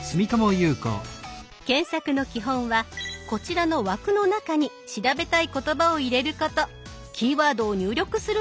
検索の基本はこちらの枠の中に調べたい言葉を入れること。